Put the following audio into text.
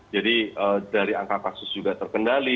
jadi dari angka kasus juga terkendali